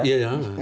jangan sampai ya